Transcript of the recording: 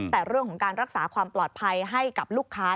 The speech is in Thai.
แต่เรื่องของการรักษาความปลอดภัยให้กับลูกค้า